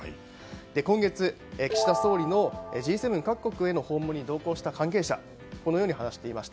今月、岸田総理のＧ７各国への訪問に同行した関係者はこのように話していました。